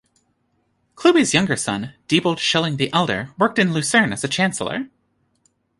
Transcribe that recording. Klewi's younger son, Diebold Schilling the Elder worked in Lucerne as a chancellor.